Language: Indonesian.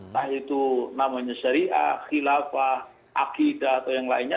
nah itu namanya syariah khilafah akhidat atau yang lainnya